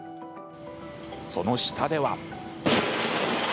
その下では。